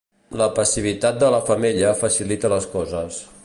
La passivitat de la femella facilita les coses.